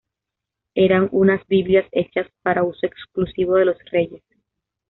Eran unas Biblias hechas para uso exclusivo de los reyes.